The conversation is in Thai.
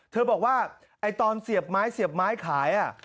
เธอบอกว่าไอ้ตอนเสียบไม้เสียบไม้ขายอ่ะ